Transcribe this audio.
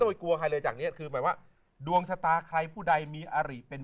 ไม่กลัวใครเลยจากนี้คือหมายว่าดวงชะตาใครผู้ใดมีอาริเป็น